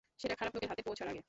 সেটা খারাপ লোকের হাতে পৌছার আগে।